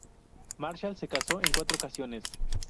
Marshall se casó en cuatro ocasiones.